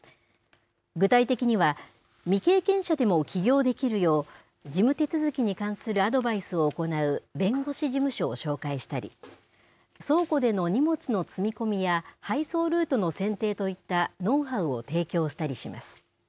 具体的には未経験者でも起業できるよう事務手続きに関するアドバイスを行う弁護士事務所を紹介したり倉庫での荷物の積み込みや配送ルートの選定といったノウハウを提供したりします。